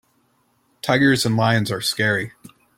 Tigers and lions are scary.